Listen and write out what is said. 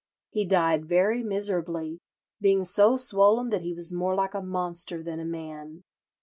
He died very miserably, being so swollen that he was more like a monster than a man.